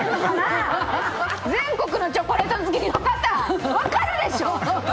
全国のチョコレート好きだったら分かるでしょう！